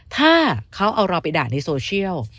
ถ้าเขาเอาเราไปด่าในโซเชียล